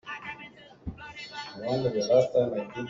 Ka pa inn ah a um.